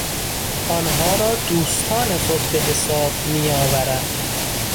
آنها را دوستان خود به حساب میآورم.